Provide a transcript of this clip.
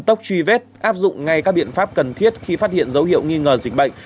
tốc truy vết áp dụng ngay các biện pháp cần thiết khi phát hiện dấu hiệu nghi ngờ dịch bệnh